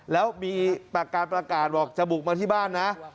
แล้วมีการประกาศบอกจะบุกมาที่บ้านนะ